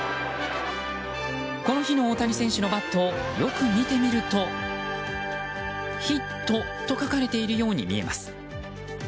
この日の大谷選手のバットをよく見てみるとヒットと書かれているように見えます。